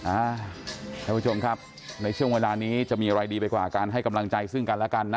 ท่านผู้ชมครับในช่วงเวลานี้จะมีอะไรดีไปกว่าการให้กำลังใจซึ่งกันแล้วกันนะ